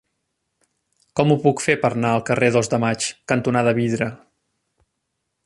Com ho puc fer per anar al carrer Dos de Maig cantonada Vidre?